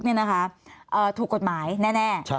นี่นะคะถูกกฎหมายแน่